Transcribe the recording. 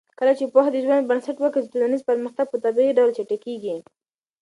کله چې پوهه د ژوند بنسټ وګرځي، ټولنیز پرمختګ په طبیعي ډول چټکېږي.